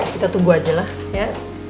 kita tunggu ajalah ya